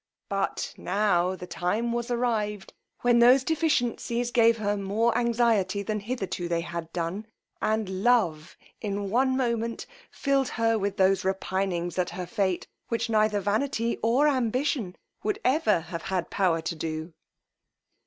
But now the time was arrived when those deficiencies gave her more anxiety than hitherto they had done; and love in one moment filled her with those repinings at her fate, which neither vanity or ambition would ever have had power to do.